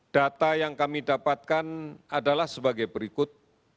data yang kami dapatkan adalah sebagai berikut